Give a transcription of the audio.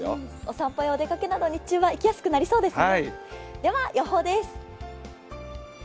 お散歩やお出かけなど日中は行きやすくなりますね。